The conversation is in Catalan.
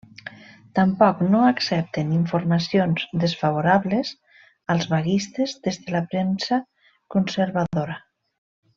Tampoc no accepten informacions desfavorables als vaguistes des de la premsa conservadora.